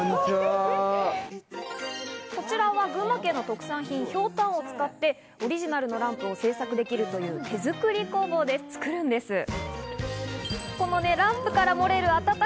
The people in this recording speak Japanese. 群馬県の特産品・ひょうたんを使ってオリジナルのランプを製作できるという手作り工房で作るんです。